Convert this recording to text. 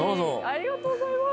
ありがとうございます。